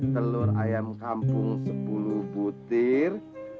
telur ayam kampung sepuluh butir